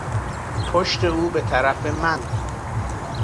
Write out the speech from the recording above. پشت او به طرف من بود.